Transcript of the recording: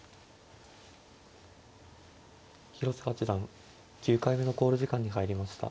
広瀬八段９回目の考慮時間に入りました。